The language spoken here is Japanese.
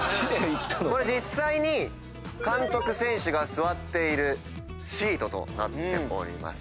これ実際に監督選手が座っているシートとなっております。